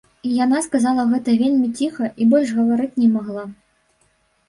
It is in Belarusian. Яна сказала гэта вельмі ціха і больш гаварыць не магла.